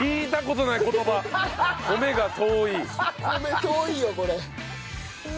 米遠いよこれ。